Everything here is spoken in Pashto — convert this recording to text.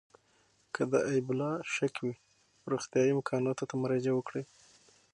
که د اېبولا شک وي، روغتیايي امکاناتو ته مراجعه وکړئ.